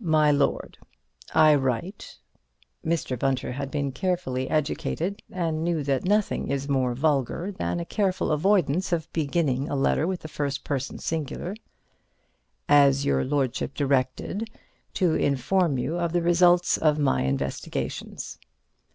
My Lord: I write (Mr. Bunter had been carefully educated and knew that nothing is more vulgar than a careful avoidance of beginning a letter with the first person singular) as your lordship directed, to inform you of the result of my investigations.